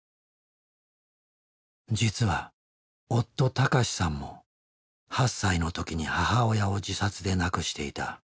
実は夫・孝さんも８歳の時に母親を自殺で亡くしていた。